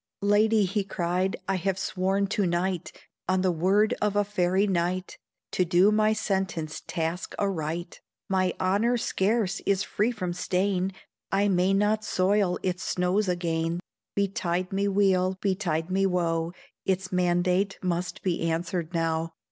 'Lady,' he cried, 'I have sworn to night, On the word of a fairy knight, To do my sentence task aright; My honour scarce is free from stain, I may not soil its snows again; Betide me weal, betide me wo, Its mandate must be answered now.'